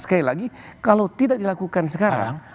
sekali lagi kalau tidak dilakukan sekarang